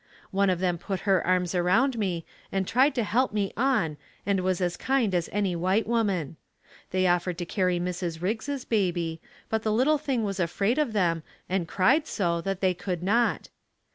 One of them put her arms around me and tried to help me on and was as kind as any white woman. They offered to carry Mrs. Riggs' baby, but the little thing was afraid of them and cried so that they could not.